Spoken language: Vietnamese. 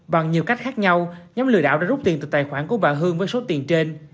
bằng nhiều cách khác nhau nhóm lừa đảo đã rút tiền từ tài khoản của bà hương với số tiền trên